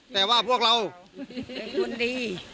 แต่ว่าพวกเราเป็นคนดี